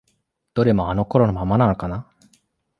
どれもあの頃のままなのかな？